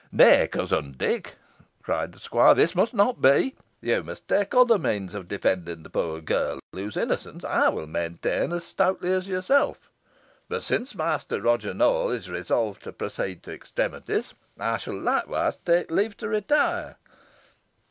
"Nay, cousin Dick," cried the squire, "this must not be. You must take other means of defending the poor girl, whose innocence I will maintain as stoutly as yourself. But, since Master Roger Nowell is resolved to proceed to extremities, I shall likewise take leave to retire."